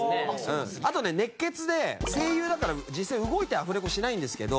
あとね熱血で声優だから実際動いてアフレコしないんですけど